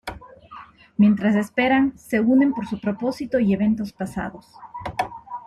Mientras esperan, se unen por su propósito y eventos pasados.